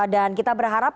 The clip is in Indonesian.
dan kita berharap